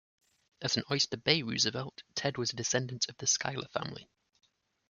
As an Oyster Bay Roosevelt, Ted was a descendant of the Schuyler family.